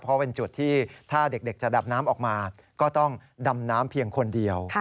เพราะเป็นจุดที่ถ้าเด็กจะดับน้ำออกมาก็ต้องดำน้ำเพียงคนเดียว